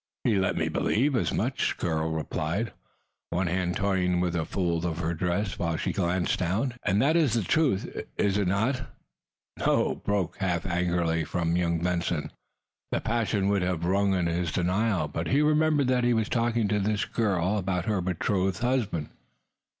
"He let me believe as much," the girl replied, one hand toying with a fold of her dress, while she glanced down. "And that is the truth, is it not?" "No!" broke, half angrily, from young Benson. The passion would have rung in his denial, but he remembered that he was talking to this girl about her betrothed husband.